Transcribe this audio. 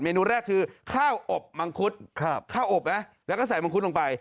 นูแรกคือข้าวอบมังคุดข้าวอบนะแล้วก็ใส่มัดลงไป